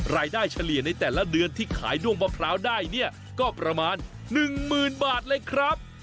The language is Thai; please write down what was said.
รายได้เฉลี่ยในแต่ละเดือนที่ขายด้วงมะพร้าวได้เนี่ยก็ประมาณหนึ่งหมื่นบาทเลยครับ